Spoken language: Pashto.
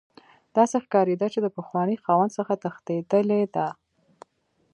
داسې ښکاریده چې د پخواني خاوند څخه تښتیدلی دی